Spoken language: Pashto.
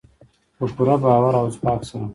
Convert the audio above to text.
په پوره باور او ځواک سره.